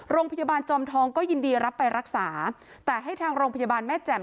จอมทองก็ยินดีรับไปรักษาแต่ให้ทางโรงพยาบาลแม่แจ่ม